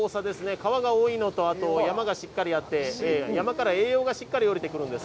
川が多いのと、山がしっかりあって、山から栄養がしっかり下りてくるんです。